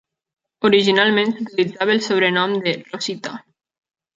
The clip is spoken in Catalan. Originalment utilitzava el sobrenom de "Rosita".